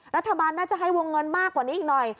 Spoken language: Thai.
รัฐบาลน่าจะให้วงเงินมากกว่านี้อีกหน่อย